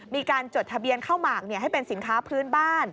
จดทะเบียนข้าวหมากให้เป็นสินค้าพื้นบ้าน